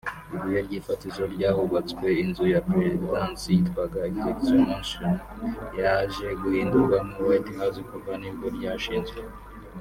ibuye ry'ifatizo ry’ahubatswe inzu ya perezidansi yitwaga Executive Mansion (yaje guhindurwamo White House kuva nibwo ryashinzwe